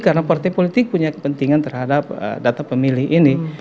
karena partai politik punya kepentingan terhadap data pemilih ini